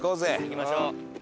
行きましょう。